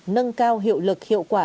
nâng cao hiệu lực hiệu quả